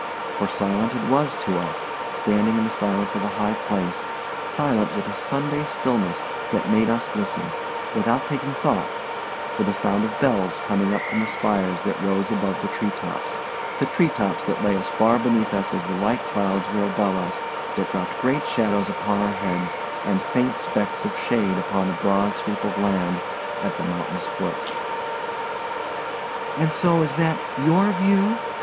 For silent it was to us, standing in the silence of a high place—silent with a Sunday stillness that made us listen, without taking thought, for the sound of bells coming up from the spires that rose above the tree tops—the tree tops that lay as far beneath us as the light clouds were above us that dropped great shadows upon our heads and faint specks of shade upon the broad sweep of land at the mountain's foot. "And so that is your view?"